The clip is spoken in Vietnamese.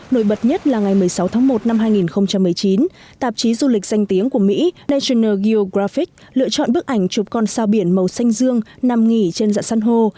nổi bật nhất là ngày một mươi sáu tháng một năm hai nghìn một mươi chín tạp chí du lịch danh tiếng của mỹ national geographic lựa chọn bức ảnh chụp con sao biển màu xanh dương nằm nghỉ trên dạng san hô